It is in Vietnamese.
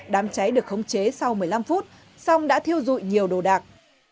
đám cháy được khống chế sau một mươi năm phút song đã thiêu dụi nhiều đồ đạc